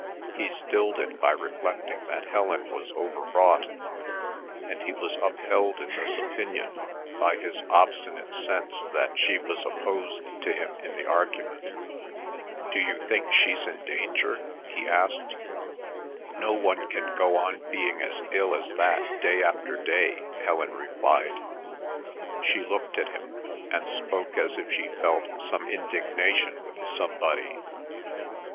He stilled it by reflecting that Helen was overwrought, and he was upheld in this opinion by his obstinate sense that she was opposed to him in the argument. "Do you think she's in danger?" he asked. "No one can go on being as ill as that day after day—" Helen replied. She looked at him, and spoke as if she felt some indignation with somebody.